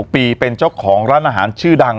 ปีเป็นเจ้าของร้านอาหารชื่อดัง